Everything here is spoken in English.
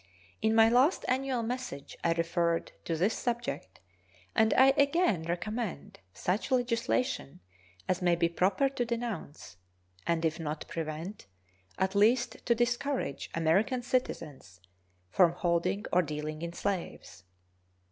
In my last annual message I referred to this subject, and I again recommend such legislation as may be proper to denounce, and, if not prevent, at least to discourage American citizens from holding or dealing in slaves.